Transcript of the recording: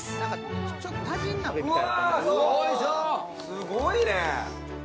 すごいね！